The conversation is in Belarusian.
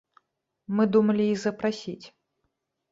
Мы думалі іх запрасіць.